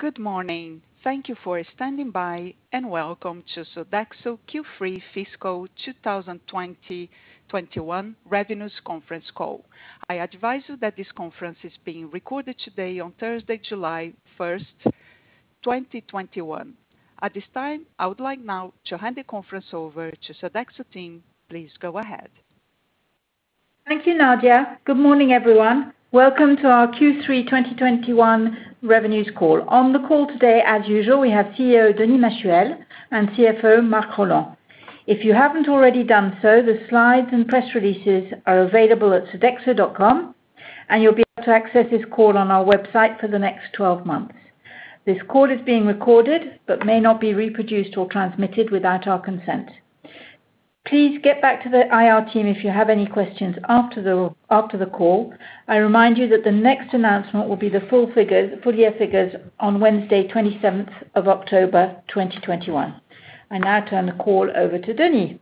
Good morning. Thank you for standing by, and welcome to Sodexo Q3 Fiscal 2021 Revenues conference call. I advise you that this conference is being recorded today on Thursday, July 1st, 2021. At this time, I would like now to hand the conference over to Sodexo team. Please go ahead. Thank you, Nadia. Good morning, everyone. Welcome to our Q3 2021 revenues call. On the call today, as usual, we have CEO, Denis Machuel, and CFO, Marc Rolland. If you haven't already done so, the slides and press releases are available at sodexo.com, and you'll be able to access this call on our website for the next 12 months. This call is being recorded, but may not be reproduced or transmitted without our consent. Please get back to the IR team if you have any questions after the call. I remind you that the next announcement will be the full year figures on Wednesday, 27th of October, 2021. I now turn the call over to Denis.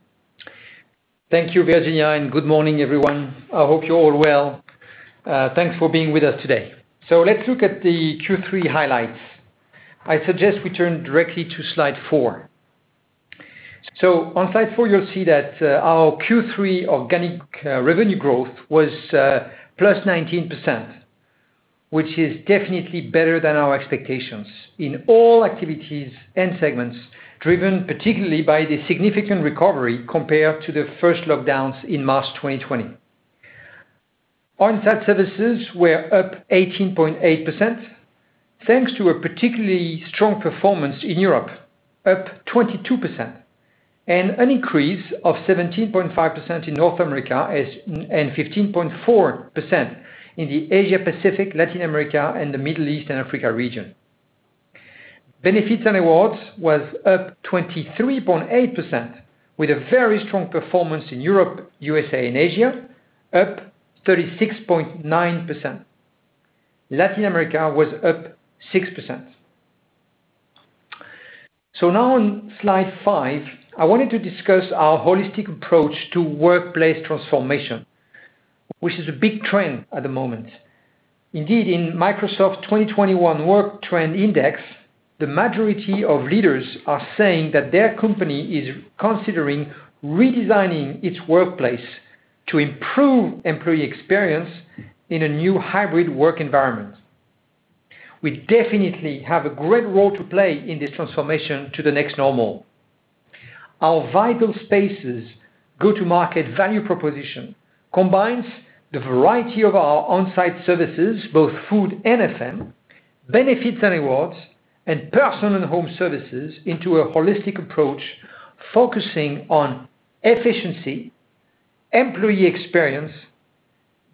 Thank you, Virginia. Good morning, everyone. I hope you're all well. Thanks for being with us today. Let's look at the Q3 highlights. I suggest we turn directly to slide four. On slide four, you'll see that our Q3 organic revenue growth was +19%, which is definitely better than our expectations in all activities and segments, driven particularly by the significant recovery compared to the first lockdowns in March 2020. On-site services were up 18.8%, thanks to a particularly strong performance in Europe, up 22%, and an increase of 17.5% in North America, and 15.4% in the Asia-Pacific, Latin America, and the Middle East and Africa region. Benefits and Rewards was up 23.8%, with a very strong performance in Europe, U.S.A., and Asia, up 36.9%. Latin America was up 6%. Now on slide five, I wanted to discuss our holistic approach to workplace transformation, which is a big trend at the moment. Indeed, in Microsoft's 2021 Work Trend Index, the majority of leaders are saying that their company is considering redesigning its workplace to improve employee experience in a new hybrid work environment. We definitely have a great role to play in the transformation to the next normal. Our Vital Spaces go-to-market value proposition combines the variety of our on-site services, both food and FM, benefits and rewards, and personal and home services into a holistic approach focusing on efficiency, employee experience,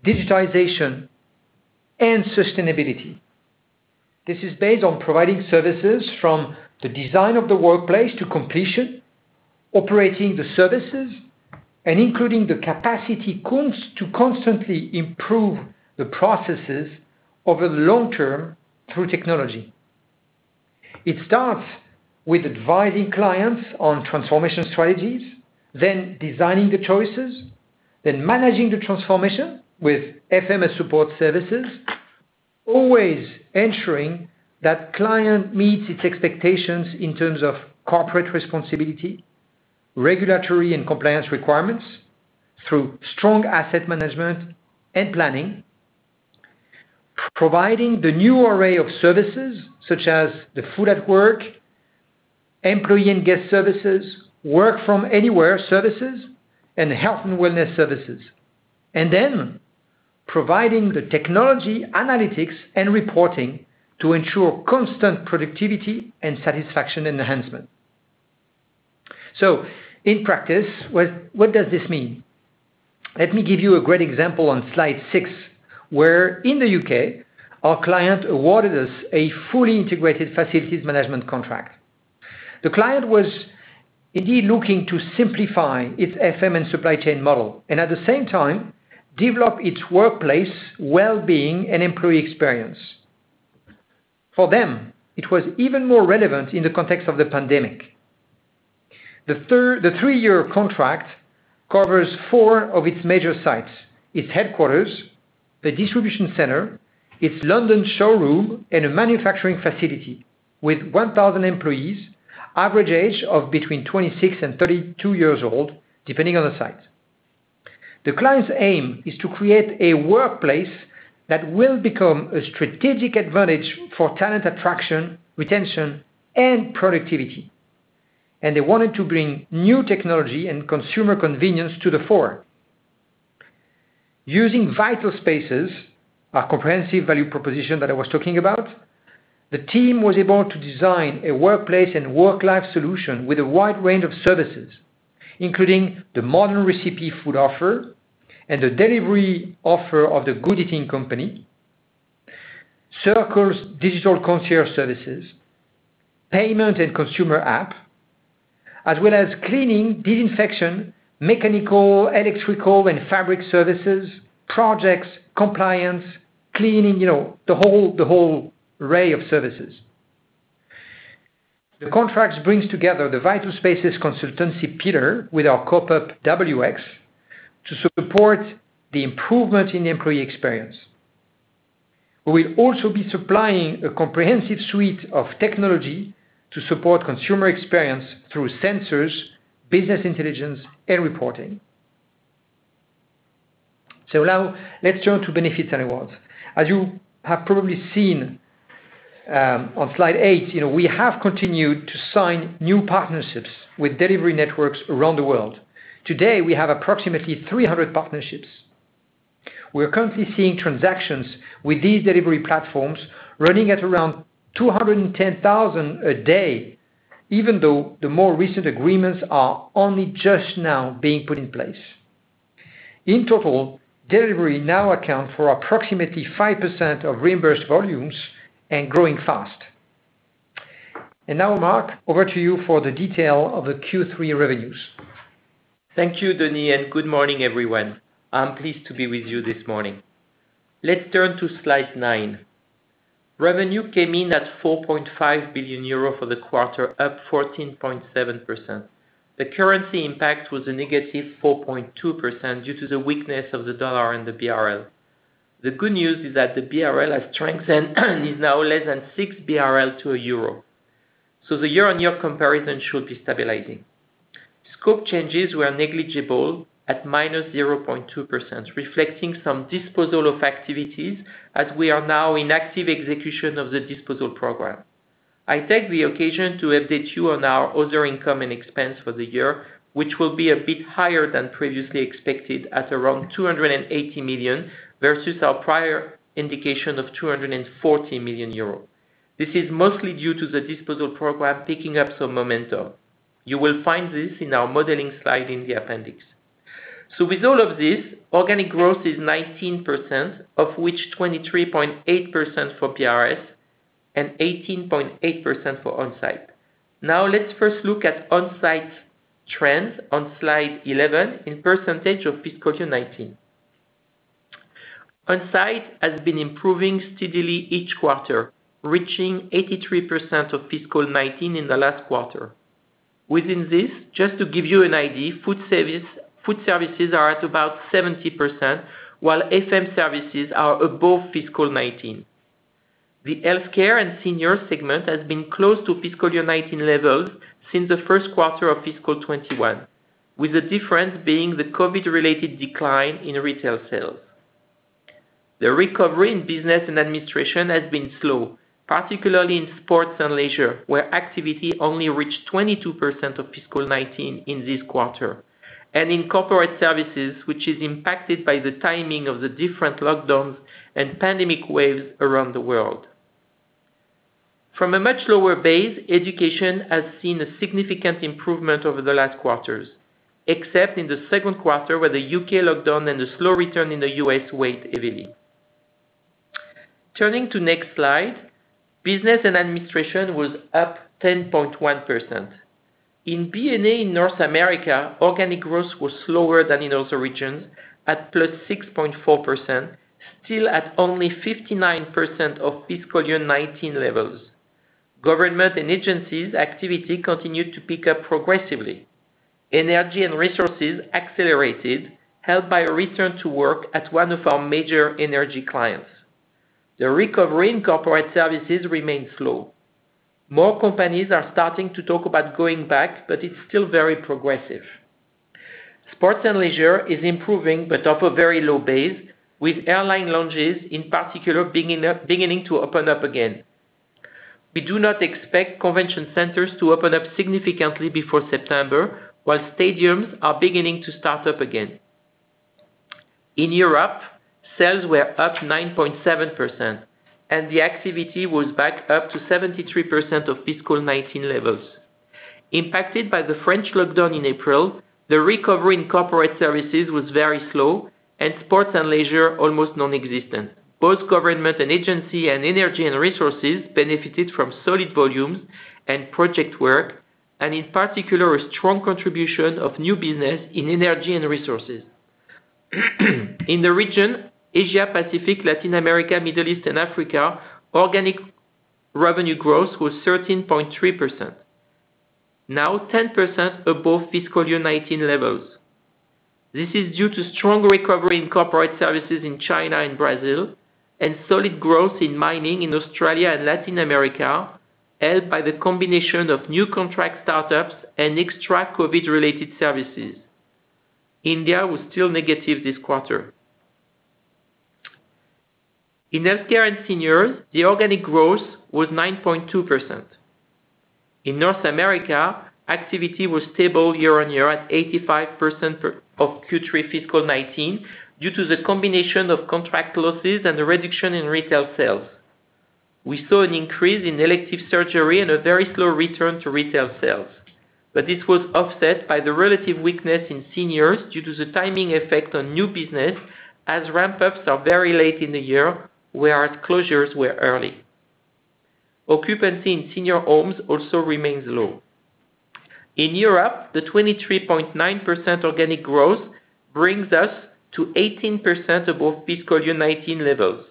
digitization, and sustainability. This is based on providing services from the design of the workplace to completion, operating the services, and including the capacity to constantly improve the processes over the long term through technology. It starts with advising clients on transformation strategies, then designing the choices, then managing the transformation with FM support services, always ensuring that client meets its expectations in terms of corporate responsibility, regulatory, and compliance requirements through strong asset management and planning, providing the new array of services such as the food at work, employee and guest services, work from anywhere services, and health and wellness services. Then providing the technology analytics and reporting to ensure constant productivity and satisfaction enhancement. In practice, what does this mean? Let me give you a great example on slide six, where in the U.K., our client awarded us a fully integrated facilities management contract. The client was indeed looking to simplify its FM and supply chain model, and at the same time develop its workplace well-being and employee experience. For them, it was even more relevant in the context of the pandemic. The three-year contract covers four of its major sites, its headquarters, the distribution center, its London showroom, and a manufacturing facility with 1,000 employees, average age of between 26 and 32 years old, depending on the site. The client's aim is to create a workplace that will become a strategic advantage for talent attraction, retention, and productivity. They wanted to bring new technology and consumer convenience to the fore. Using Vital Spaces, our comprehensive value proposition that I was talking about, the team was able to design a workplace and work-life solution with a wide range of services, including the Modern Recipe food offer and the delivery offer of The Good Eating Company, Circles digital concierge services, payment and consumer app, as well as cleaning, disinfection, mechanical, electrical, and fabric services, projects, compliance, cleaning, the whole array of services. The contract brings together the Vital Spaces consultancy pillar with our corp-up Wx to support the improvement in employee experience. We'll also be supplying a comprehensive suite of technology to support consumer experience through sensors, business intelligence, and reporting. Now let's turn to Benefits and Rewards. As you have probably seen on slide eight, we have continued to sign new partnerships with delivery networks around the world. Today, we have approximately 300 partnerships. We are currently seeing transactions with these delivery platforms running at around 210,000 a day, even though the more recent agreements are only just now being put in place. In total, delivery now accounts for approximately 5% of reimbursed volumes and growing fast. Now, Marc, over to you for the detail of the Q3 revenues. Thank you, Denis. Good morning, everyone. I'm pleased to be with you this morning. Let's turn to slide nine. Revenue came in at 4.5 billion euro for the quarter, up 14.7%. The currency impact was a negative 4.2% due to the weakness of the USD and the BRL. The good news is that the BRL has strengthened and is now less than 6 BRL to a EUR. The year-on-year comparison should be stabilizing. Scope changes were negligible at minus 0.2%, reflecting some disposal of activities as we are now in active execution of the disposal program. I take the occasion to update you on our other income and expense for the year, which will be a bit higher than previously expected at around 280 million versus our prior indication of 240 million euros. This is mostly due to the disposal program picking up some momentum. You will find this in our modeling slide in the appendix. With all of this, organic growth is 19%, of which 23.8% for BRS and 18.8% for On-site. Let's first look at On-site trends on slide 11 in percentage of fiscal year 2019. On-site has been improving steadily each quarter, reaching 83% of fiscal 2019 in the last quarter. Within this, just to give you an idea, food services are at about 70%, while FM services are above fiscal 2019. The healthcare and senior segment has been close to fiscal year 2019 levels since the first quarter of fiscal 2021, with the difference being the COVID-related decline in retail sales. The recovery in Business & Administrations has been slow, particularly in sports and leisure, where activity only reached 22% of fiscal 2019 in this quarter. In corporate services, which is impacted by the timing of the different lockdowns and pandemic waves around the world. From a much lower base, education has seen a significant improvement over the last quarters, except in the second quarter, where the U.K. lockdown and the slow return in the U.S. weighed heavily. Turning to next slide, Business & Administrations was up 10.1%. In B&A in North America, organic growth was slower than in other regions at +6.4%, still at only 59% of fiscal year 2019 levels. Government and agencies activity continued to pick up progressively. Energy and resources accelerated, helped by a return to work at one of our major energy clients. The recovery in corporate services remains slow. More companies are starting to talk about going back, but it's still very progressive. Sports and leisure is improving but off a very low base, with airline lounges in particular beginning to open up again. We do not expect convention centers to open up significantly before September, while stadiums are beginning to start up again. In Europe, sales were up 9.7%, and the activity was back up to 73% of fiscal 2019 levels. Impacted by the French lockdown in April, the recovery in corporate services was very slow, and sports and leisure almost nonexistent. Both Government and Agency and Energy and Resources benefited from solid volumes and project work, and in particular, a strong contribution of new business in Energy and Resources. In the region Asia, Pacific, Latin America, Middle East, and Africa, organic revenue growth was 13.3%. Now 10% above fiscal year 2019 levels. This is due to strong recovery in corporate services in China and Brazil and solid growth in mining in Australia and Latin America, helped by the combination of new contract startups and extra COVID-related services. India was still negative this quarter. In healthcare and seniors, the organic growth was 9.2%. In North America, activity was stable year-over-year at 85% of Q3 fiscal 2019 due to the combination of contract losses and a reduction in retail sales. We saw an increase in elective surgery and a very slow return to retail sales. It was offset by the relative weakness in seniors due to the timing effect on new business as ramp-ups are very late in the year where closures were early. Occupancy in senior homes also remains low. In Europe, the 23.9% organic growth brings us to 18% above fiscal year 2019 levels.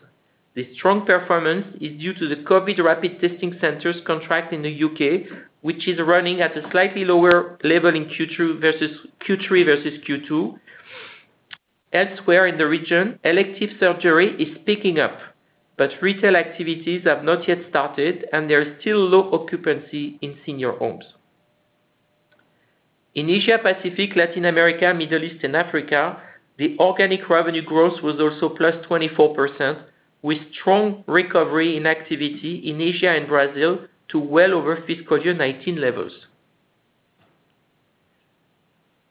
This strong performance is due to the COVID rapid testing centers contract in the U.K., which is running at a slightly lower level in Q3 versus Q2. Elsewhere in the region, elective surgery is picking up, but retail activities have not yet started, and there is still low occupancy in senior homes. In Asia Pacific, Latin America, Middle East, and Africa, the organic revenue growth was also +24%, with strong recovery in activity in Asia and Brazil to well over fiscal year 2019 levels.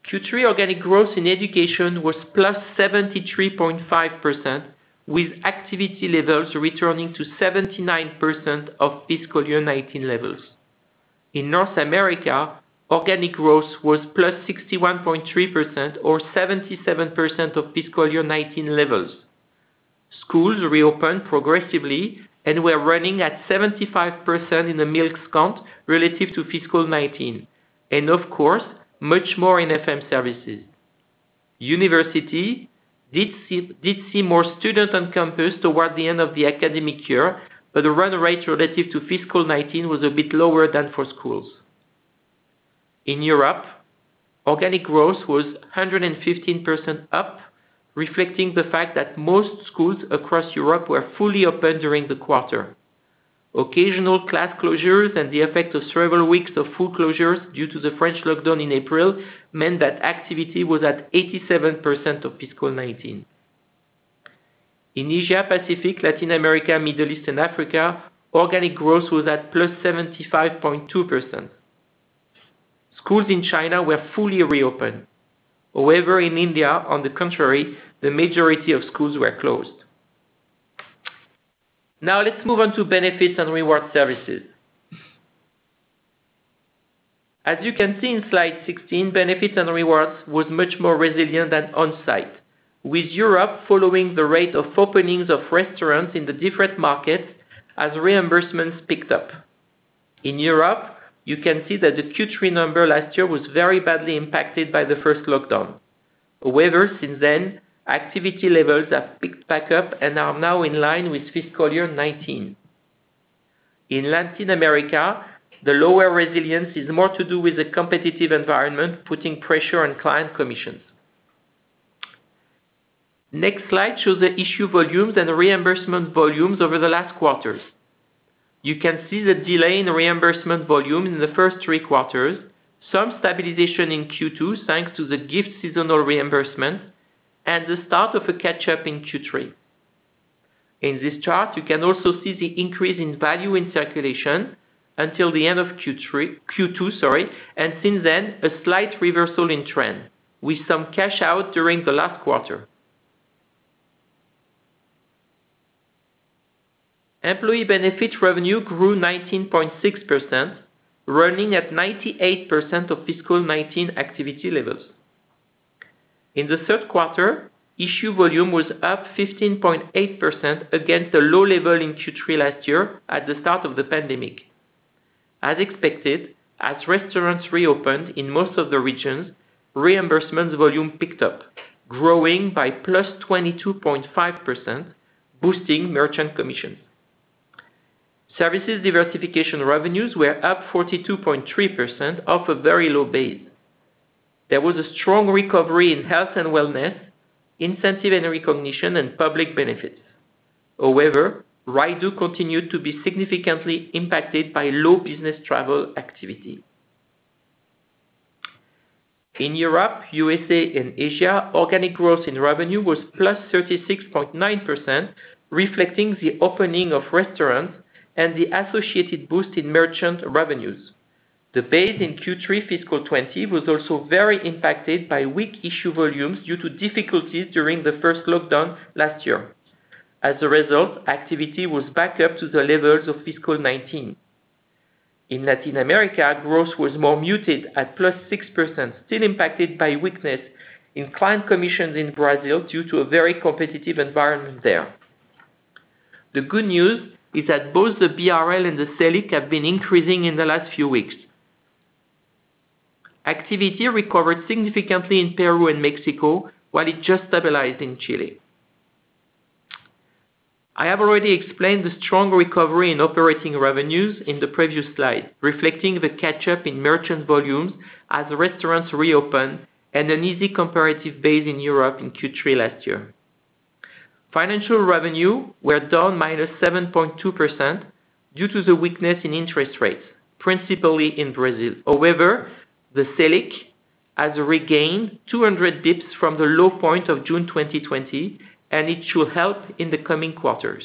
Q3 organic growth in education was +73.5%, with activity levels returning to 79% of fiscal year 2019 levels. In North America, organic growth was +61.3%, or 77% of fiscal year 2019 levels. Schools reopened progressively, and we're running at 75% in the meals count relative to fiscal 2019, and of course, much more in FM services. University did see more students on campus toward the end of the academic year. The run rate relative to fiscal 2019 was a bit lower than for schools. In Europe, organic growth was 115% up, reflecting the fact that most schools across Europe were fully open during the quarter. Occasional class closures and the effect of several weeks of full closures due to the French lockdown in April meant that activity was at 87% of fiscal 2019. In Asia Pacific, Latin America, Middle East, and Africa, organic growth was at +75.2%. Schools in China were fully reopened. In India, on the contrary, the majority of schools were closed. Let's move on to Benefits and Rewards Services. As you can see in slide 16, Benefits and Rewards was much more resilient than on-site, with Europe following the rate of openings of restaurants in the different markets as reimbursements picked up. In Europe, you can see that the Q3 number last year was very badly impacted by the first lockdown. However, since then, activity levels have picked back up and are now in line with fiscal year 2019. In Latin America, the lower resilience is more to do with the competitive environment, putting pressure on client commissions. Next slide shows the issue volumes and reimbursement volumes over the last quarters. You can see the delay in reimbursement volume in the first three quarters, some stabilization in Q2 thanks to the gift seasonal reimbursements, and the start of the catch-up in Q3. In this chart, you can also see the increase in value in circulation until the end of Q2, and since then, a slight reversal in trend, with some cash out during the last quarter. Employee benefit revenue grew 19.6%, running at 98% of fiscal 2019 activity levels. In the third quarter, issue volume was up 15.8% against a low level in Q3 last year at the start of the pandemic. As expected, as restaurants reopened in most of the regions, reimbursement volume picked up, growing by +22.5%, boosting merchant commissions. Services diversification revenues were up 42.3% off a very low base. There was a strong recovery in health and wellness, incentive and recognition, and public benefits. However, Rydoo continued to be significantly impacted by low business travel activity. In Europe, U.S.A., and Asia, organic growth in revenue was +36.9%, reflecting the opening of restaurants and the associated boost in merchant revenues. The base in Q3 fiscal 2020 was also very impacted by weak issue volumes due to difficulties during the first lockdown last year. As a result, activity was back up to the levels of fiscal 2019. In Latin America, growth was more muted at +6%, still impacted by weakness in client commissions in Brazil due to a very competitive environment there. The good news is that both the BRL and the Selic have been increasing in the last few weeks. Activity recovered significantly in Peru and Mexico, while it just stabilized in Chile. I have already explained the strong recovery in operating revenues in the previous slide, reflecting the catch-up in merchant volumes as restaurants reopened and an easy comparative base in Europe in Q3 last year. Financial revenue were down -7.2% due to the weakness in interest rates, principally in Brazil. However, the Selic has regained 200 basis points from the low point of June 2020, and it should help in the coming quarters.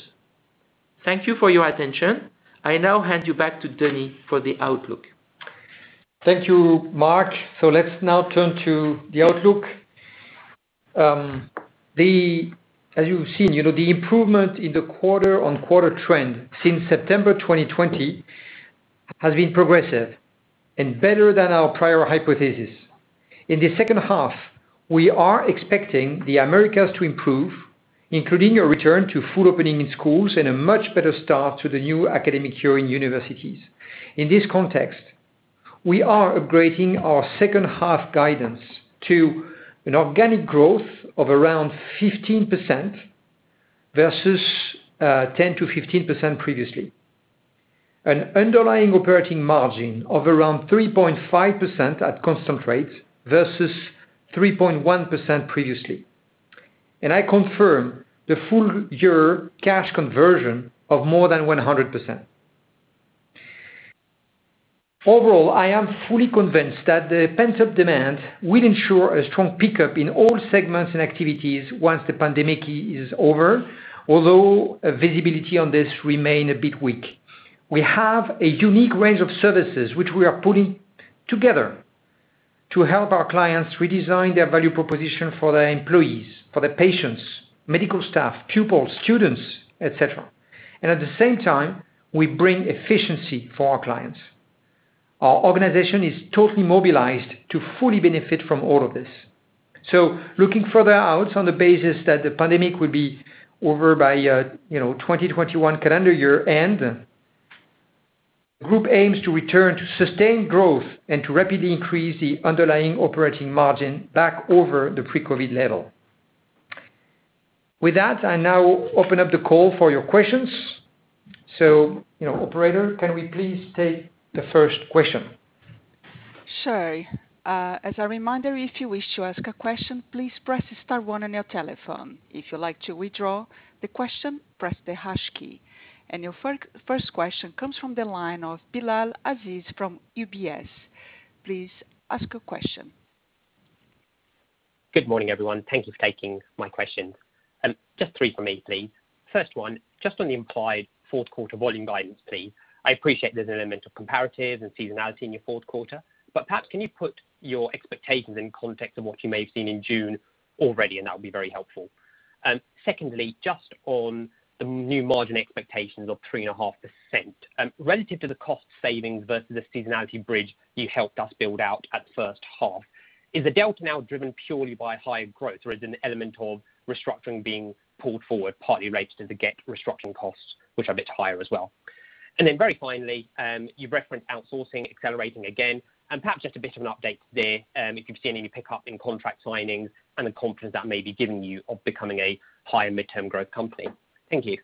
Thank you for your attention. I now hand you back to Denis for the outlook. Thank you, Marc. Let's now turn to the outlook. As you've seen, the improvement in the quarter-on-quarter trend since September 2020 has been progressive and better than our prior hypothesis. In the second half, we are expecting the Americas to improve, including a return to full opening in schools and a much better start to the new academic year in universities. In this context, we are upgrading our second half guidance to an organic growth of around 15% versus 10%-15% previously, an underlying operating margin of around 3.5% at constant rates versus 3.1% previously. I confirm the full year cash conversion of more than 100%. Overall, I am fully convinced that the pent-up demand will ensure a strong pickup in all segments and activities once the pandemic is over. Although visibility on this remains a bit weak. We have a unique range of services which we are putting together to help our clients redesign their value proposition for their employees, for their patients, medical staff, pupils, students, et cetera. At the same time, we bring efficiency for our clients. Our organization is totally mobilized to fully benefit from all of this. Looking further out on the basis that the pandemic will be over by 2021 calendar year-end, the group aims to return to sustained growth and to rapidly increase the underlying operating margin back over the pre-COVID level. With that, I now open up the call for your questions. Operator, can we please take the first question? As a reminder, if you wish to ask a question, please press star one on your telephone. If you'd like to withdraw the question, press the hash key. Your first question comes from the line of Bilal Aziz from UBS. Please ask your question. Good morning, everyone. Thank you for taking my question. Just three from me, please. First one, just on the implied fourth quarter volume guidance, please. I appreciate there's an element of comparative and seasonality in your fourth quarter, but perhaps can you put your expectations in context of what you may have seen in June already, and that would be very helpful. Secondly, just on the new margin expectations of 3.5%. Relative to the cost savings versus the seasonality bridge you helped us build out at first half, is the delta now driven purely by higher growth or is an element of restructuring being pulled forward, partly related to the GET restructuring costs, which are a bit higher as well? Very finally, you referenced outsourcing accelerating again, and perhaps just a bit of an update there if you're seeing any pickup in contract signings and the confidence that may be giving you of becoming a high midterm growth company. Thank you.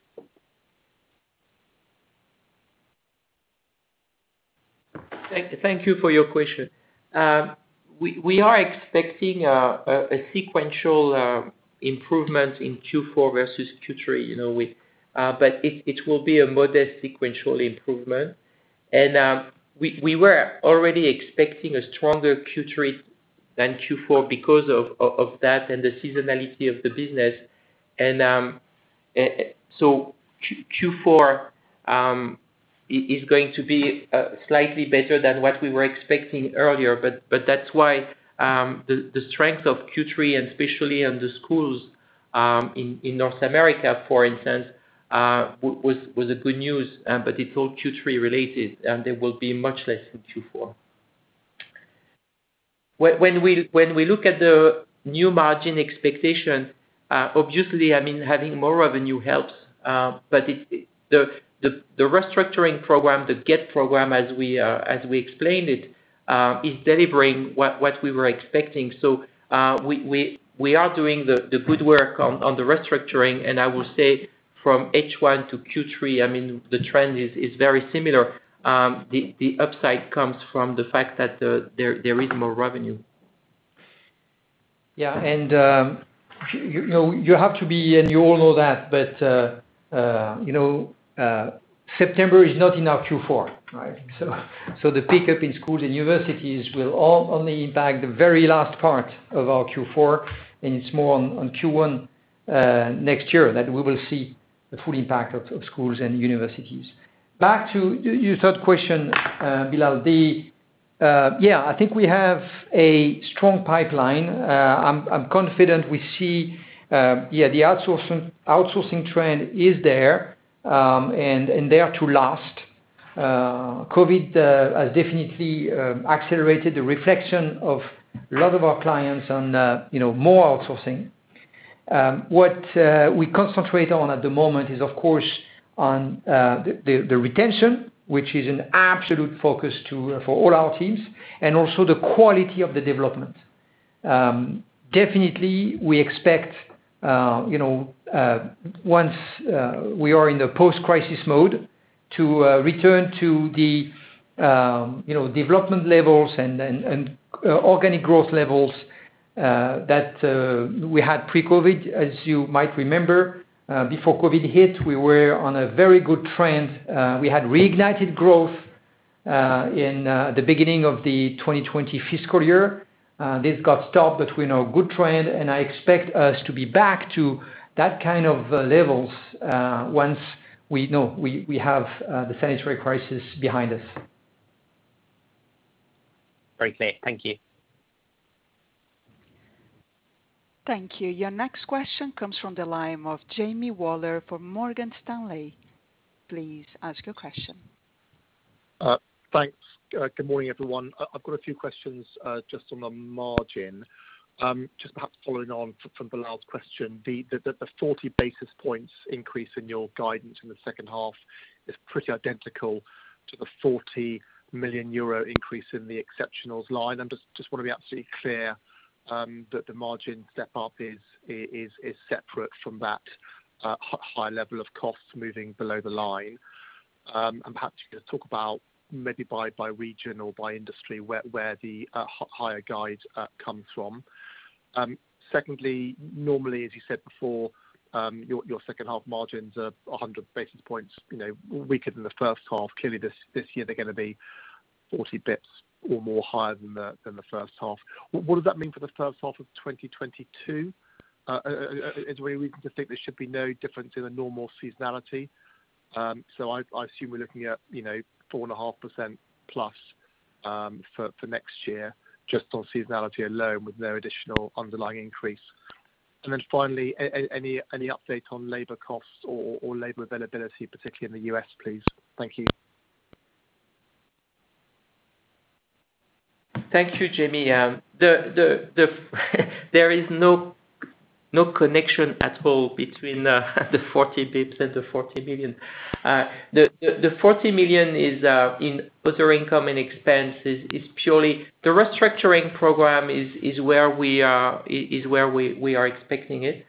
Thank you for your question. We are expecting a sequential improvement in Q4 versus Q3, but it will be a modest sequential improvement. We were already expecting a stronger Q3 than Q4 because of that and the seasonality of the business. Q4 is going to be slightly better than what we were expecting earlier, but that's why the strength of Q3, especially on the schools in North America, for instance, was a good news. It's all Q3 related, and there will be much less for Q4. When we look at the new margin expectation, obviously, having more revenue helps, but the restructuring program, the GET program as we explained it, is delivering what we were expecting. We are doing the good work on the restructuring, and I would say from H1 to Q3, the trend is very similar. The upside comes from the fact that there is more revenue. You have to be, and you all know that, but September is not in our Q4, right? The pickup in schools and universities will only impact the very last part of our Q4, and it's more on Q1 next year that we will see the full impact of schools and universities. Back to your third question, Bilal, I think we have a strong pipeline. I'm confident we see the outsourcing trend is there and there to last. COVID has definitely accelerated the reflection of a lot of our clients on more outsourcing. What we concentrate on at the moment is, of course, on the retention, which is an absolute focus for all our teams, and also the quality of the development. Definitely, we expect, once we are in a post-crisis mode, to return to the development levels and organic growth levels that we had pre-COVID. As you might remember, before COVID hit, we were on a very good trend. We had reignited growth in the beginning of the 2020 fiscal year. This got stopped, but we're on a good trend, and I expect us to be back to that kind of levels once we have the sanitary crisis behind us. Great. Thank you. Thank you. Your next question comes from the line of Jamie Rollo from Morgan Stanley. Please ask your question. Thanks. Good morning, everyone. I've got a few questions just on the margin. Just perhaps following on from Bilal's question, the 40 basis points increase in your guidance in the second half is pretty identical to the 40 million euro increase in the exceptionals line. I just want to be absolutely clear that the margin step-up is separate from that high level of costs moving below the line. Perhaps you could talk about maybe by region or by industry, where the higher guide comes from. Secondly, normally, as you said before, your second half margins are 100 basis points weaker than the first half. Clearly, this year they're going to be 40 basis points or more higher than the first half. What does that mean for the first half of 2022? Is there a reason to think there should be no difference in the normal seasonality? I assume we're looking at 4.5% plus for next year, just on seasonality alone with no additional underlying increase. Finally, any update on labor costs or labor availability, particularly in the U.S., please? Thank you. Thank you, Jamie. There is no connection at all between the 40 basis points and the 40 million. The 40 million is in other income and expenses, is purely the restructuring program is where we are expecting it.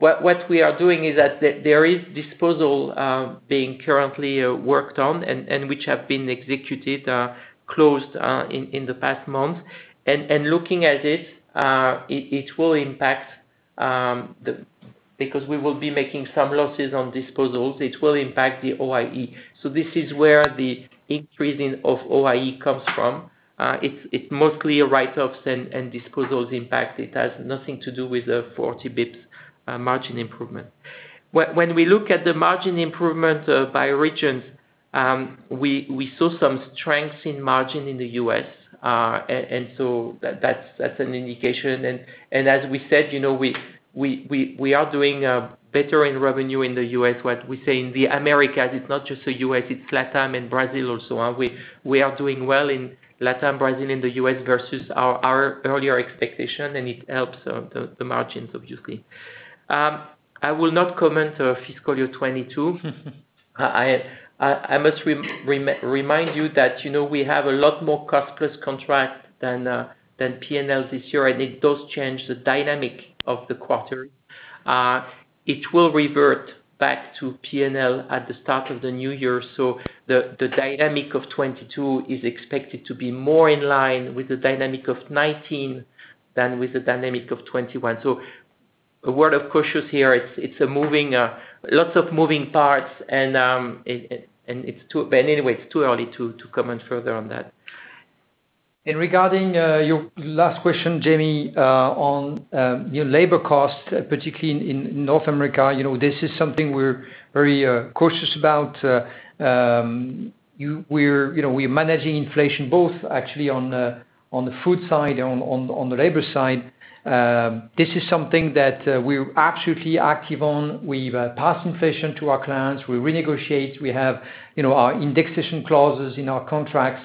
What we are doing is that there is disposal being currently worked on, which have been executed, closed, in the past month. Looking at it, because we will be making some losses on disposals, it will impact the OIE. This is where the increasing of OIE comes from. It's mostly a write-offs and disposals impact. It has nothing to do with the 40 basis points margin improvement. When we look at the margin improvement by regions, we saw some strength in margin in the U.S., that's an indication. As we said, we are doing better in revenue in the U.S. What we say in the Americas, it's not just the U.S., it's LATAM and Brazil also. We are doing well in LATAM, Brazil, and the U.S. versus our earlier expectation, it helps the margins obviously. I will not comment on fiscal year 2022. I must remind you that we have a lot more cost plus contract than P&L this year, it does change the dynamic of the quarter. It will revert back to P&L at the start of the new year. The dynamic of 2022 is expected to be more in line with the dynamic of 2019 than with the dynamic of 2021. A word of caution here, it's lots of moving parts, anyway, it's too early to comment further on that. Regarding your last question, Jamie, on labor costs, particularly in North America, this is something we're very cautious about. We're managing inflation both actually on the food side and on the labor side. This is something that we're absolutely active on. We pass inflation to our clients. We renegotiate. We have our indexation clauses in our contracts.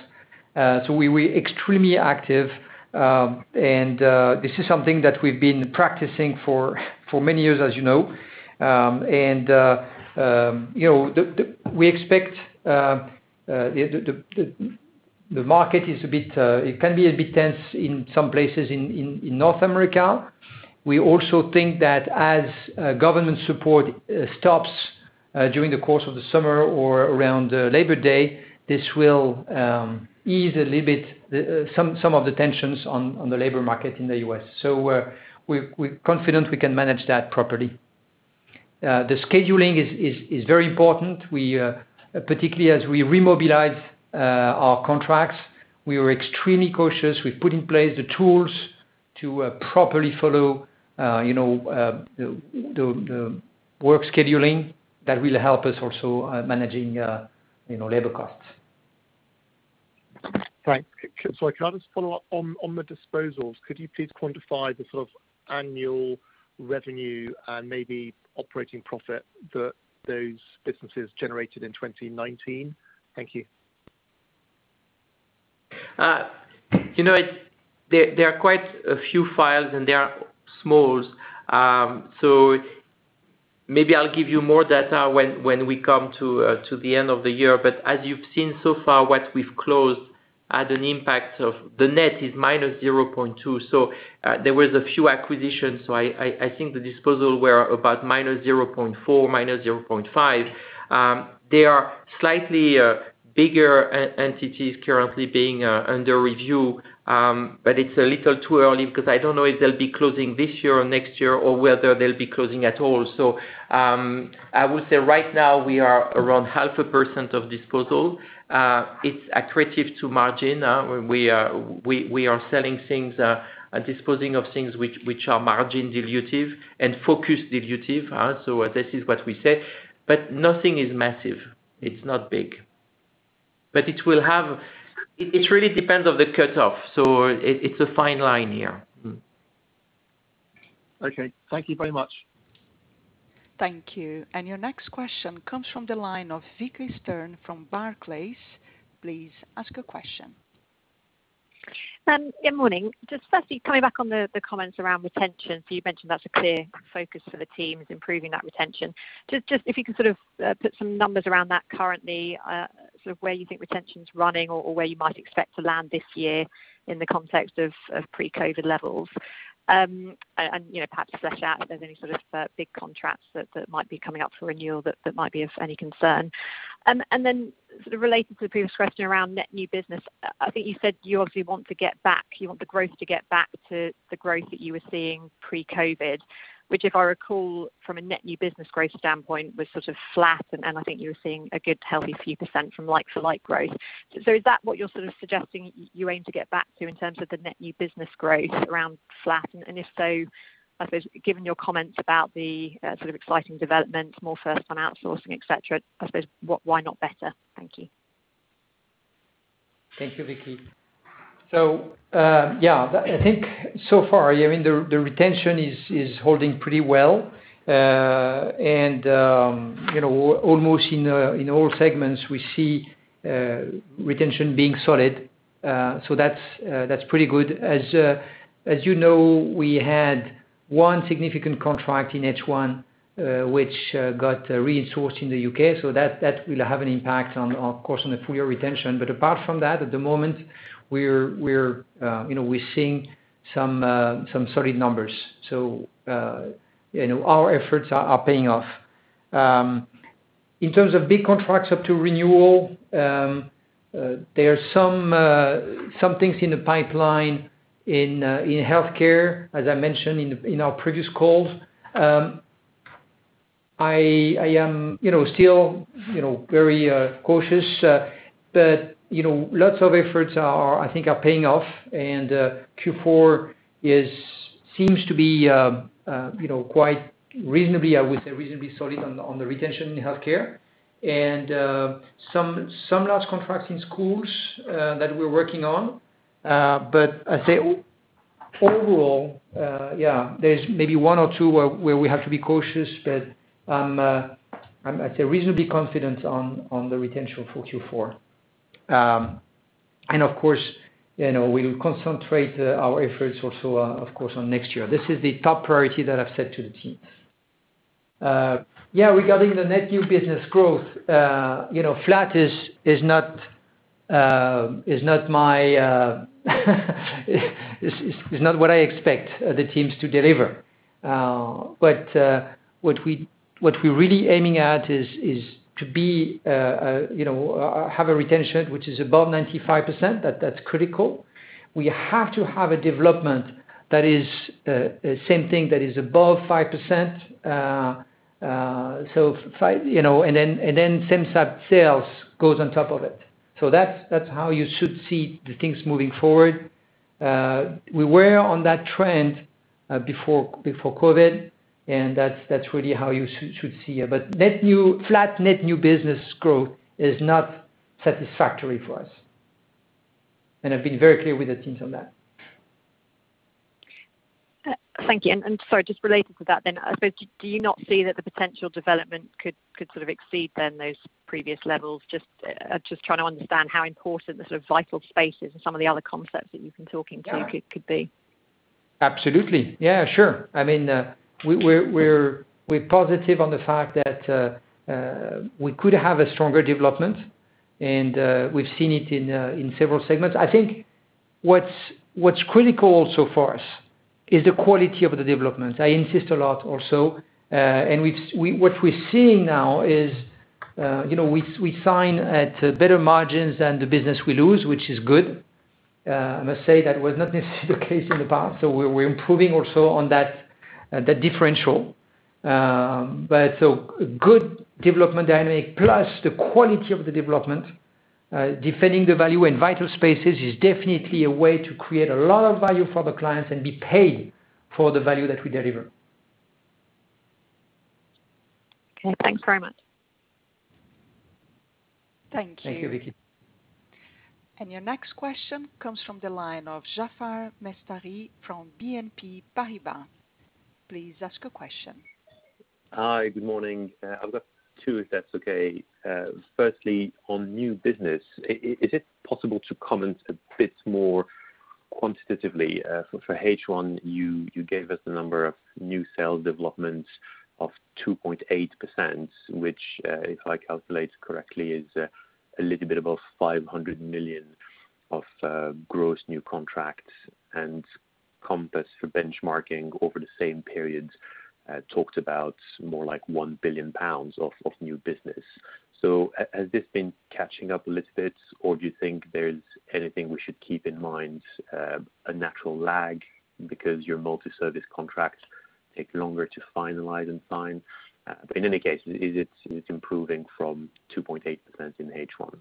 We're extremely active, and this is something that we've been practicing for many years, as you know. We expect the market can be a bit tense in some places in North America. We also think that as government support stops during the course of the summer or around Labor Day, this will ease a little bit some of the tensions on the labor market in the U.S. We're confident we can manage that properly. The scheduling is very important. Particularly as we remobilize our contracts, we are extremely cautious. We put in place the tools to properly follow the work scheduling. That will help us also managing labor costs. Right. Sorry, can I just follow up on the disposals? Could you please quantify the sort of annual revenue and maybe operating profit that those businesses generated in 2019? Thank you. There are quite a few files, and they are small. Maybe I'll give you more data when we come to the end of the year. As you've seen so far, what we've closed had an impact of the net is -0.2%. There was a few acquisitions, so I think the disposals were about -0.4%, -0.5%. There are slightly bigger entities currently being under review, but it's a little too early because I don't know if they'll be closing this year or next year or whether they'll be closing at all. I would say right now we are around 0.5% of disposal. It's accretive to margin. We are selling things and disposing of things which are margin dilutive and focus dilutive. This is what we say. Nothing is massive. It's not big. It really depends on the cutoff, so it's a fine line here. Okay. Thank you very much. Thank you. Your next question comes from the line of Vicki Stern from Barclays. Please ask your question. Good morning. Just firstly, coming back on the comments around retention. You mentioned that's a clear focus for the team, is improving that retention. Just if you could put some numbers around that currently, where you think retention's running or where you might expect to land this year in the context of pre-COVID levels. Perhaps flesh out if there's any sort of big contracts that might be coming up for renewal that might be of any concern. Then sort of related to previous question around net new business, I think you said you obviously want the growth to get back to the growth that you were seeing pre-COVID. If I recall, from a net new business growth standpoint, was sort of flat, and I think you were seeing a good healthy few percent from like-for-like growth. Is that what you're sort of suggesting you aim to get back to in terms of the net new business growth around flat? If so, I suppose given your comments about the sort of exciting development from offshore and outsourcing, et cetera, I suppose why not better? Thank you. Thank you, Vicki. Yeah, I think so far, the retention is holding pretty well. Almost in all segments we see retention being solid, so that's pretty good. As you know, we had one significant contract in H1, which got resourced in the U.K., so that will have an impact on, of course, on the full year retention. Apart from that, at the moment, we're seeing some solid numbers, so our efforts are paying off. In terms of big contracts up to renewal, there are some things in the pipeline in healthcare, as I mentioned in our previous calls. I am still very cautious, but lots of efforts I think are paying off, and Q4 seems to be, I would say reasonably solid on the retention in healthcare. Some last contract in schools that we're working on. I'd say overall, yeah, there's maybe one or two where we have to be cautious, but I'd say reasonably confident on the retention for Q4. Of course, we'll concentrate our efforts also of course on next year. This is the top priority that I've set to the team. Regarding the net new business growth, flat is not what I expect the teams to deliver. What we're really aiming at is to have a retention which is above 95%. That's critical. We have to have a development that is, same thing, that is above 5%, and then same-site sales goes on top of it. That's how you should see the things moving forward. We were on that trend before COVID, and that's really how you should see it. Flat net new business growth is not satisfactory for us, and I've been very clear with the teams on that. Thank you. Sorry, just related to that then, do you not see that the potential development could sort of exceed then those previous levels? Just trying to understand how important the sort of Vital Spaces and some of the other concepts that you've been talking to could be. Yeah. Absolutely. Yeah, sure. We're positive on the fact that we could have a stronger development, and we've seen it in several segments. I think what's critical also for us is the quality of the development. I insist a lot also. What we're seeing now is we sign at better margins than the business we lose, which is good. I must say that was not necessarily the case in the past, so we're improving also on that differential. But so good development dynamic plus the quality of the development, defending the value in Vital Spaces is definitely a way to create a lot of value for the clients and be paid for the value that we deliver. Okay. Thanks very much. Thank you, Vicki. Thank you. Your next question comes from the line of Jaafar Mestari from BNP Paribas. Please ask your question. Hi. Good morning. I've got two, if that's okay. Firstly, on new business, is it possible to comment a bit more quantitatively? For H1, you gave us a number of new sale developments of 2.8%, which, if I calculate correctly, is a little bit above 500 million of gross new contracts. Compass, for benchmarking over the same period, talked about more like 1 billion pounds of new business. Has this been catching up a little bit? Do you think there's anything we should keep in mind, a natural lag because your multi-service contracts take longer to finalize and sign? In any case, it's improving from 2.8% in H1.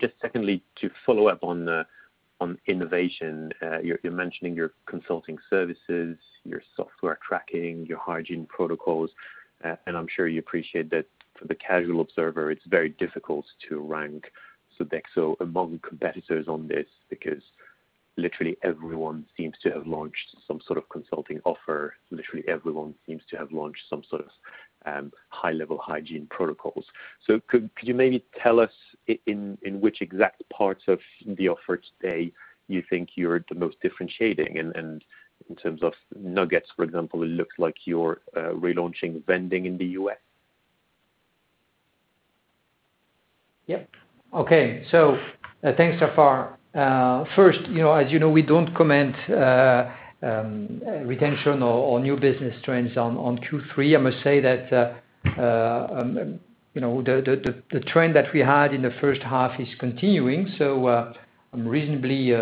Just secondly, to follow up on innovation, you're mentioning your consulting services, your software tracking, your hygiene protocols, and I'm sure you appreciate that for the casual observer, it's very difficult to rank Sodexo among competitors on this because literally everyone seems to have launched some sort of consulting offer. Literally everyone seems to have launched some sort of high-level hygiene protocols. Can you maybe tell us in which exact parts of the offer today you think you're the most differentiating? In terms of nuggets, for example, it looked like you're relaunching vending in the U.S. Yeah. Okay. Thanks, Jaafar. First, as you know, we don't comment retention or new business trends on two, three. I must say that the trend that we had in the first half is continuing. I'm reasonably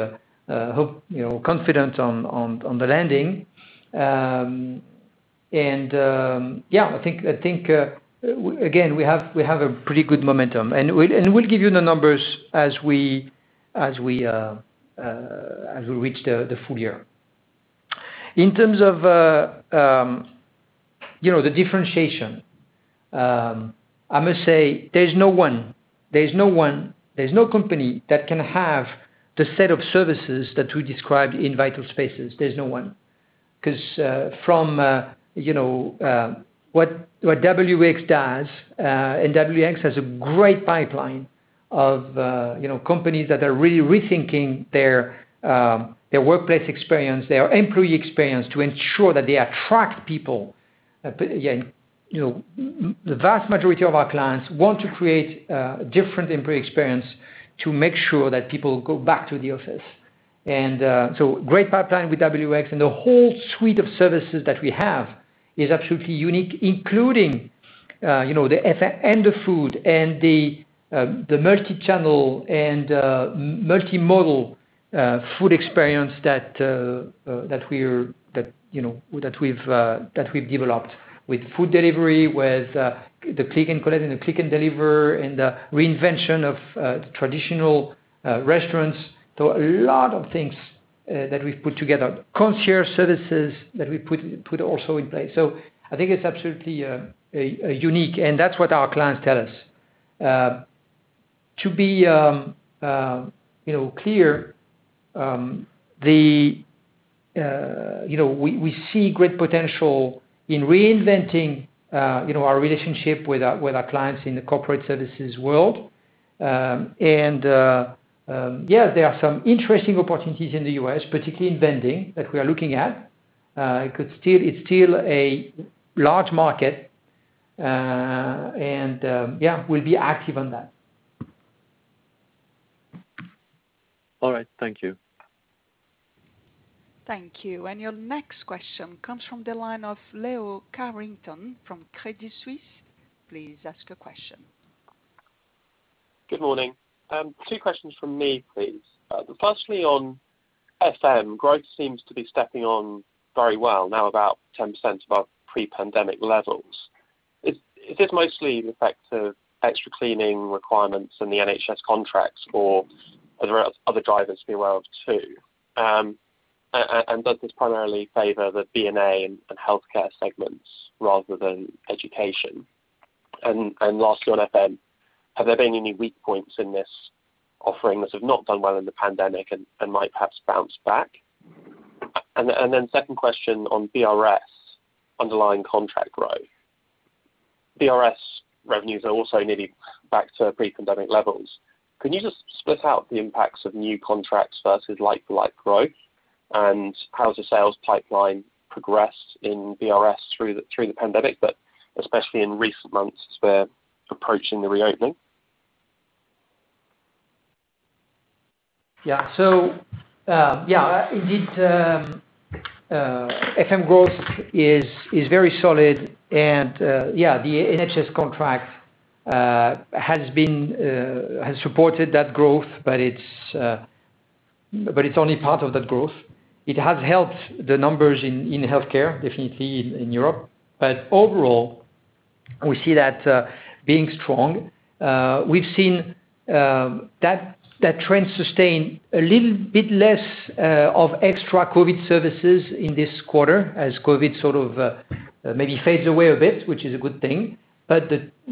confident on the landing. Yeah, I think again, we have a pretty good momentum. We'll give you the numbers as we reach the full year. In terms of the differentiation, I must say there's no one, there's no company that can have the set of services that we describe in Vital Spaces. There's no one. From what Wx does, Wx has a great pipeline of companies that are really rethinking their workplace experience, their employee experience to ensure that they attract people. Again, the vast majority of our clients want to create a different employee experience to make sure that people go back to the office. A great pipeline with Wx and the whole suite of services that we have is absolutely unique, including and the food and the multi-channel and multi-model food experience that we've developed with food delivery, with the click and collect and the click and deliver, and the reinvention of traditional restaurants, a lot of things that we put together, and concierge services that we put also in place. I think it's absolutely unique, and that's what our clients tell us. To be clear, we see great potential in reinventing our relationship with our clients in the corporate services world. Yeah, there are some interesting opportunities in the U.S., particularly in vending, that we are looking at. It's still a large market, and yeah, we'll be active on that. All right. Thank you. Thank you. Your next question comes from the line of Leo Carrington from Credit Suisse. Please ask the question. Good morning. Two questions from me, please. On FM, growth seems to be stepping on very well, now about 10% above pre-pandemic levels. Is this mostly the effect of extra cleaning requirements in the NHS contracts, or are there other drivers for growth, too? Does this primarily favor the B&A and healthcare segments rather than education? Lastly on FM, have there been any weak points in this offering that have not done well in the pandemic and might perhaps bounce back? Second question on BRS underlying contract growth. BRS revenues are also nearly back to pre-pandemic levels. Can you just split out the impacts of new contracts versus like-for-like growth and how the sales pipeline progressed in BRS through the pandemic, but especially in recent months as we're approaching the reopening? Indeed, FM growth is very solid, and the NHS contract has supported that growth, but it's only part of the growth. It has helped the numbers in healthcare, definitely in Europe. Overall, we see that being strong. We've seen that trend sustain a little bit less of extra COVID services in this quarter as COVID sort of maybe fades away a bit, which is a good thing.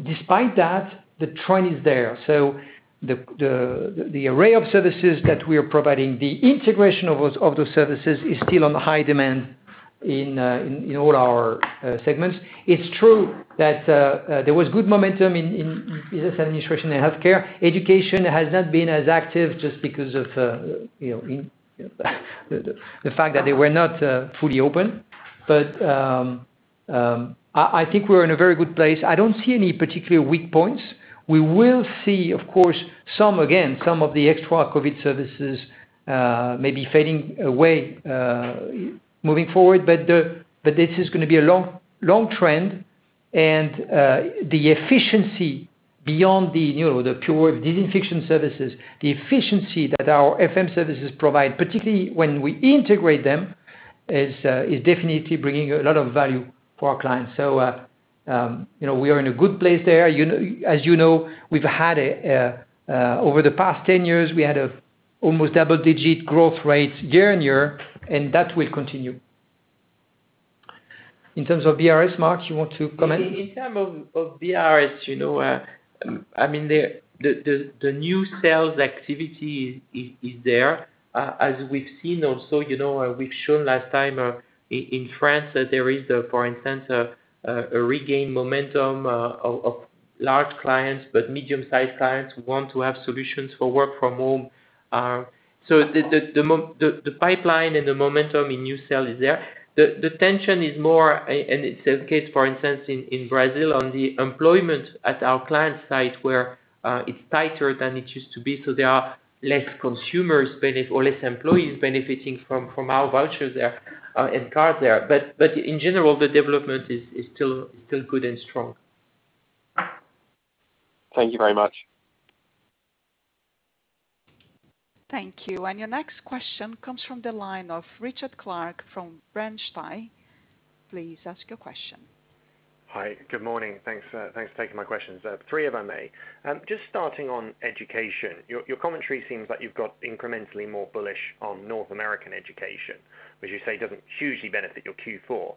Despite that, the trend is there. The array of services that we are providing, the integration of those services is still on high demand in all our segments. It's true that there was good momentum in FM instruction in healthcare. Education has not been as active just because of the fact that they were not fully open. I think we're in a very good place. I don't see any particular weak points. We will see, of course, some, again, some of the extra COVID services maybe fading away moving forward. This is going to be a long trend, and the efficiency beyond the pure disinfection services, the efficiency that our FM services provide, particularly when we integrate them. It's definitely bringing a lot of value for our clients. We are in a good place there. As you know, over the past 10 years, we had an almost double-digit growth rate year-on-year, and that will continue. In terms of BRS, Marc, you want to comment? In terms of BRS, the new sales activity is there, as we've seen also, we've shown last time in France that there is, for instance, a regained momentum of large clients, but medium-sized clients who want to have solutions for work from home. The pipeline and the momentum in new sales is there. The tension is more, and it's the case, for instance, in Brazil, on the employment at our client site where it's tighter than it used to be, so there are less employees benefiting from our vouchers there and card there. In general, the development is still good and strong. Thank you very much. Thank you. Your next question comes from the line of Richard Clarke from Bernstein. Please ask your question. Hi. Good morning. Thanks for taking my questions. Three, if I may. Starting on education, your commentary seems like you've got incrementally more bullish on North American education, which you say doesn't hugely benefit your Q4.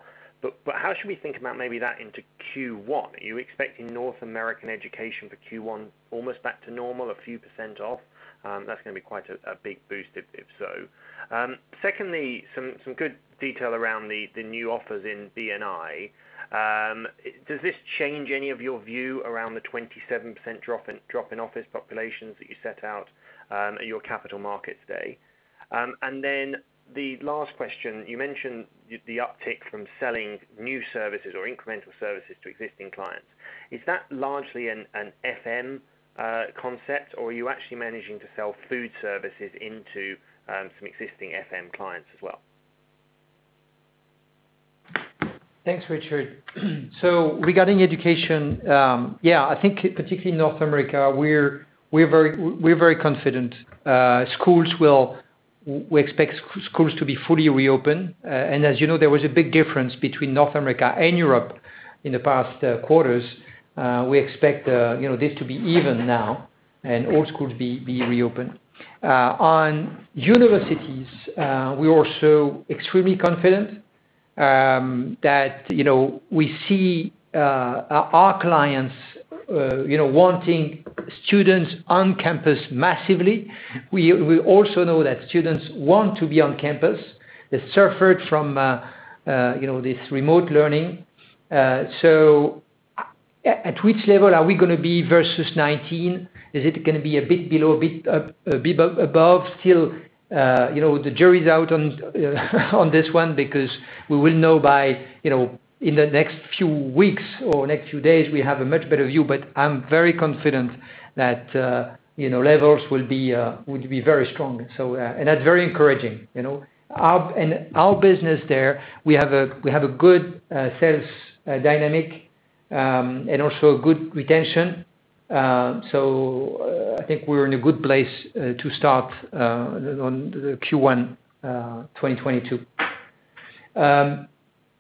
How should we think about maybe that into Q1? Are you expecting North American education for Q1 almost back to normal, a few percent off? That's going to be quite a big boost if so. Secondly, some good detail around the new offers in B&I. Does this change any of your view around the 27% drop in office populations that you set out at your capital markets day? The last question, you mentioned the uptick from selling new services or incremental services to existing clients. Is that largely an FM concept, or are you actually managing to sell food services into some existing FM clients as well? Thanks, Richard. Regarding education, yeah, I think particularly North America, we're very confident. We expect schools to be fully reopened. As you know, there was a big difference between North America and Europe in the past quarters. We expect this to be even now, and all schools be reopened. On universities, we're also extremely confident that we see our clients wanting students on campus massively. We also know that students want to be on campus. They suffered from this remote learning. At which level are we going to be versus '19? Is it going to be a bit below, a bit above still? The jury's out on this one because we will know in the next few weeks or next few days, we have a much better view, but I'm very confident that levels will be very strong. That's very encouraging. Our business there, we have a good sales dynamic, and also a good retention. I think we're in a good place to start on the Q1 2022.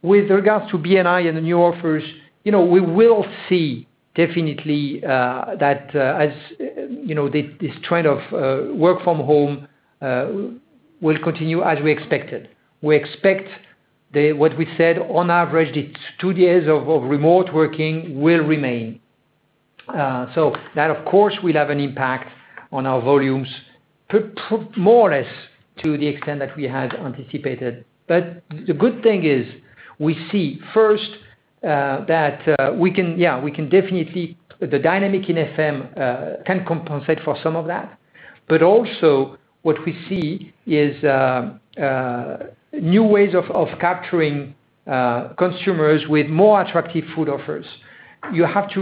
With regards to B&I and the new offers, we will see definitely that this trend of work from home will continue as we expected. We expect what we said on average, it's two days of remote working will remain. That, of course, will have an impact on our volumes, more or less to the extent that we had anticipated. The good thing is we see first, that the dynamic in FM can compensate for some of that. Also what we see is new ways of capturing consumers with more attractive food offers. You have to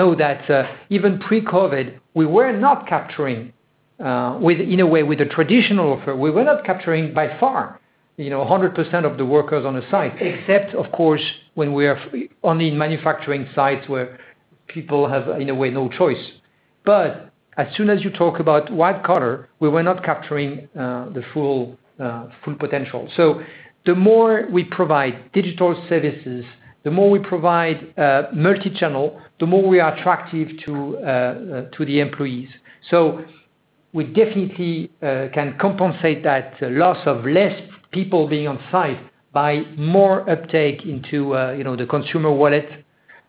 know that even pre-COVID, we were not capturing in a way with a traditional offer. We were not capturing by far 100% of the workers on the site, except, of course, when we are only manufacturing sites where people have, in a way, no choice. As soon as you talk about white collar, we were not capturing the full potential. The more we provide digital services, the more we provide multi-channel, the more we are attractive to the employees. We definitely can compensate that loss of less people being on site by more uptake into the consumer wallet,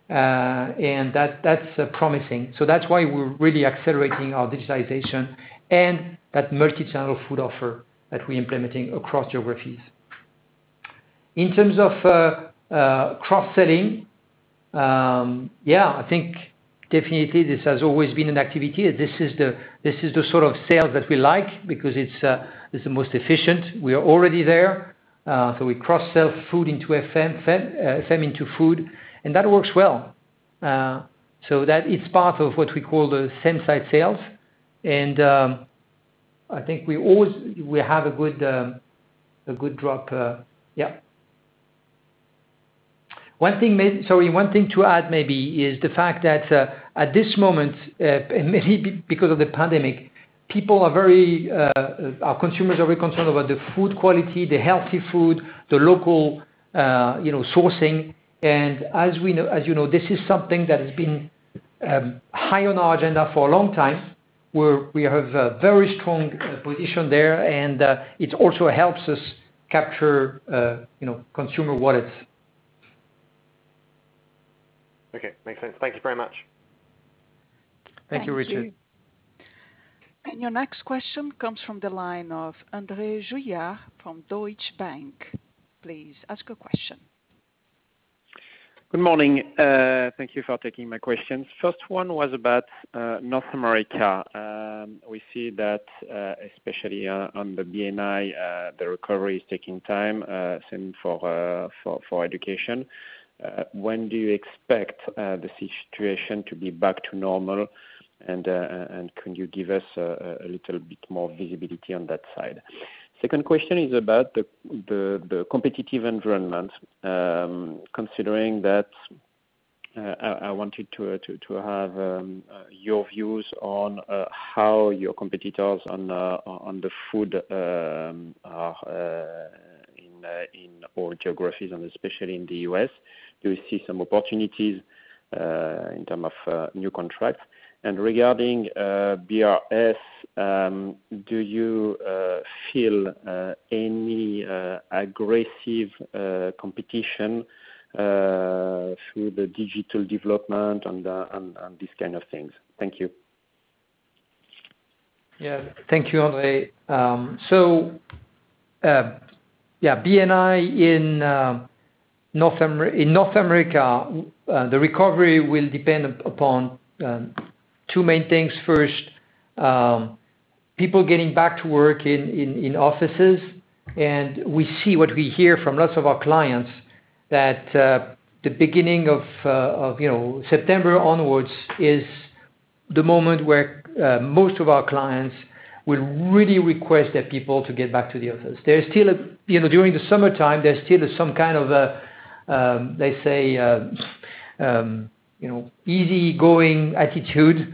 and that's promising. That's why we're really accelerating our digitization and that multi-channel food offer that we're implementing across geographies. In terms of cross-selling, yeah, I think definitely this has always been an activity. This is the sort of sale that we like because it's the most efficient. We are already there. We cross-sell FM into food, and that works well. That is part of what we call the same-side sales. I think we have a good drop. One thing to add maybe is the fact that at this moment, maybe because of the pandemic, our consumers are very concerned about the food quality, the healthy food, the local sourcing. As you know, this is something that has been high on agenda for a long time, where we have a very strong position there, and it also helps us capture consumer wallet. Okay, makes sense. Thank you very much. Thank you, Richard. Your next question comes from the line of André Juillard from Deutsche Bank. Please ask your question. Good morning. Thank you for taking my questions. First one was about North America. We see that, especially on the B&I, the recovery is taking time, same for education. When do you expect the situation to be back to normal, and can you give us a little bit more visibility on that side? Second question is about the competitive environment. Considering that, I wanted to have your views on how your competitors on the food are in all geographies and especially in the U.S. Do you see some opportunities in term of new contracts? Regarding BRS, do you feel any aggressive competition through the digital development and these kind of things? Thank you. Thank you, André. B&I in North America, the recovery will depend upon two main things. First, people getting back to work in offices. We see what we hear from lots of our clients that the beginning of September onwards is the moment where most of our clients will really request their people to get back to the office. During the summertime, there's still some kind of, let's say, easygoing attitude.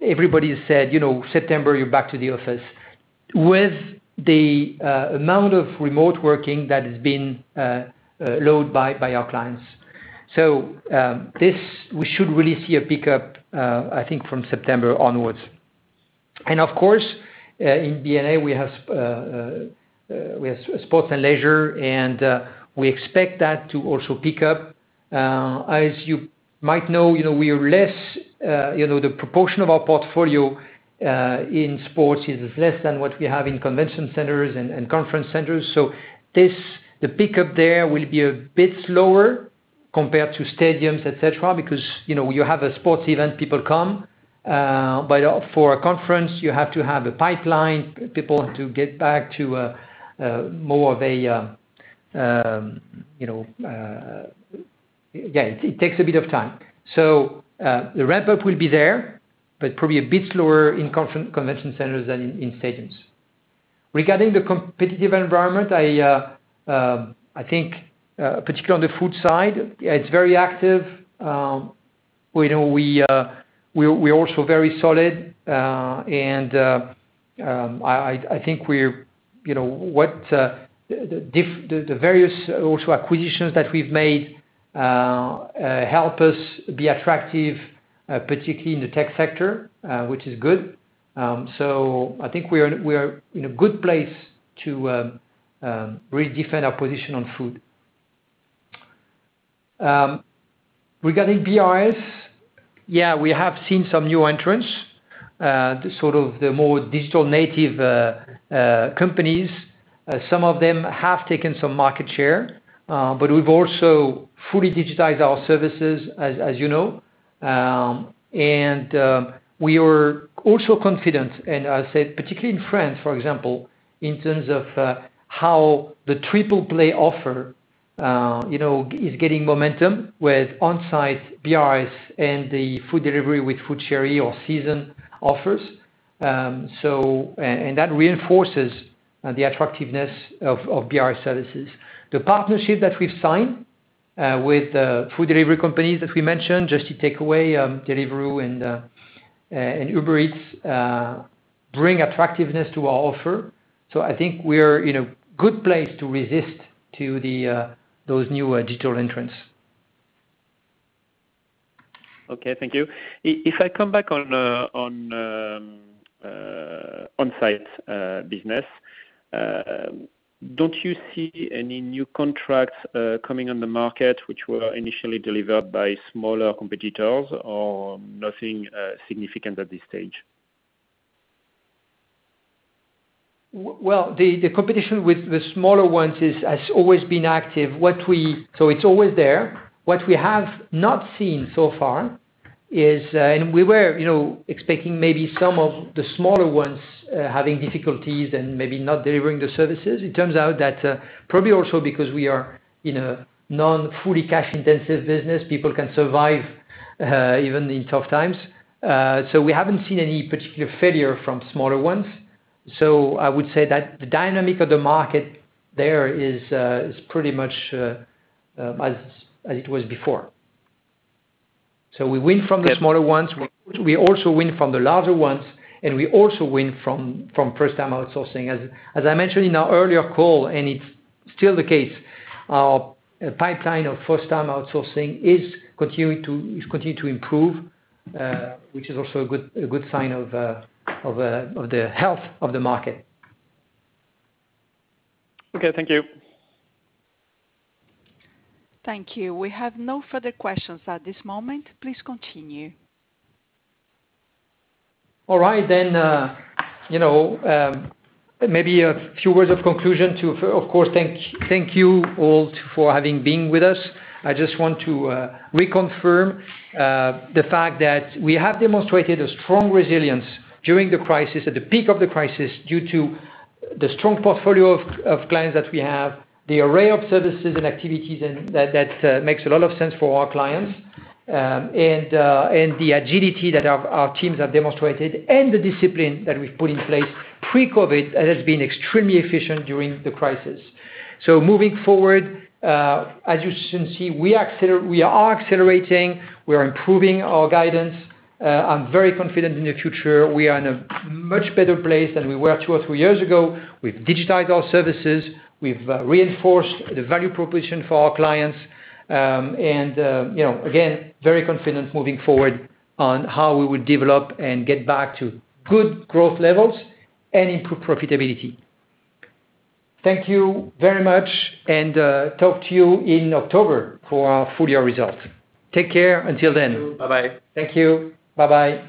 Everybody said, "September, you're back to the office" with the amount of remote working that has been allowed by our clients. We should really see a pickup, I think, from September onwards. Of course, in B&I, we have sports and leisure, and we expect that to also pick up. As you might know, the proportion of our portfolio in sports is less than what we have in convention centers and conference centers. The pickup there will be a bit slower compared to stadiums, et cetera, because you have a sports event, people come. For a conference, you have to have a pipeline, people to get back to more of a. It takes a bit of time. The ramp-up will be there, but probably a bit slower in convention centers than in stadiums. Regarding the competitive environment, I think particularly on the food side, it's very active. We're also very solid, and I think the various also acquisitions that we've made help us be attractive, particularly in the tech sector, which is good. I think we're in a good place to really defend our position on food. Regarding BRS, we have seen some new entrants, the more digital native companies. Some of them have taken some market share, we've also fully digitized our services, as you know. We are also confident, and I said particularly in France, for example, in terms of how the triple play offer is getting momentum with on-site BRS and the food delivery with FoodChéri or Seazon offers. That reinforces the attractiveness of BRS services. The partnership that we've signed with food delivery companies that we mentioned, Just Eat Takeaway.com, Deliveroo, and Uber Eats, bring attractiveness to our offer. I think we are in a good place to resist to those new digital entrants. Okay, thank you. If I come back on on-site business, don't you see any new contracts coming on the market which were initially delivered by smaller competitors or nothing significant at this stage? Well, the competition with the smaller ones has always been active. It's always there. What we have not seen so far is, we were expecting maybe some of the smaller ones having difficulties and maybe not delivering the services. It turns out that probably also because we are in a non fully cash intensive business, people can survive even in tough times. We haven't seen any particular failure from smaller ones. I would say that the dynamic of the market there is pretty much as it was before. We win from the smaller ones, we also win from the larger ones, and we also win from first-time outsourcing. As I mentioned in our earlier call, it's still the case, our pipeline of first-time outsourcing is continuing to improve, which is also a good sign of the health of the market. Okay. Thank you. Thank you. We have no further questions at this moment. Please continue. Maybe a few words of conclusion to, of course, thank you all for having been with us. I just want to reconfirm the fact that we have demonstrated a strong resilience during the crisis, at the peak of the crisis, due to the strong portfolio of clients that we have, the array of services and activities that makes a lot of sense for our clients, and the agility that our teams have demonstrated and the discipline that we put in place pre-COVID has been extremely efficient during the crisis. Moving forward, as you can see, we are accelerating, we're improving our guidance. I'm very confident in the future. We are in a much better place than we were two or three years ago. We've digitized our services, we've reinforced the value proposition for our clients, and again, very confident moving forward on how we will develop and get back to good growth levels and improve profitability. Thank you very much. Talk to you in October for our full year results. Take care. Until then. Thank you. Bye bye. Thank you. Bye bye.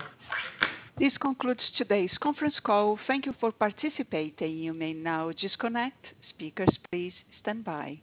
This concludes today's conference call. Thank you for participating. You may now disconnect. Speakers, please stand by.